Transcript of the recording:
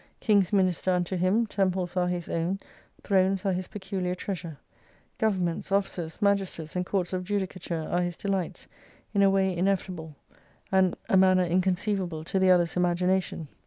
Kings minister unto him, temples are his own, thrones are his peculiar treasure. Governments, officers, magistrates and courts of judicature are his delights, in a way ineffable, and a manner inconceivable to the other's imagination.